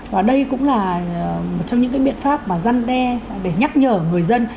và đây cũng là một trong những cái biện pháp mà răn đe để nhắc nhở người dân